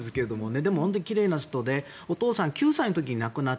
でも本当にきれいな人でお父さん、９歳の時に亡くなって